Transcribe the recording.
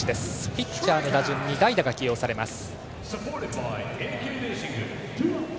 ピッチャーの打順に代打が起用されます。